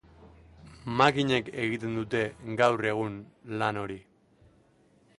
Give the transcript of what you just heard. Makinek egiten dute gaur egun lan hori.